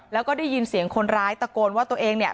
แล้วก็ได้ยินเสียงคนร้ายตะโกนว่าตัวเองเนี่ย